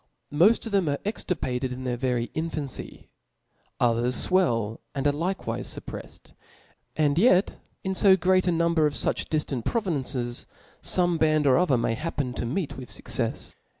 Moft of them are extirpated in their very in fancy ; others fwell, and are likewife fuppreffed. And yet in To great a number of fuch diftant pro vinces, fome >band or other may happen to meet with fuccefe.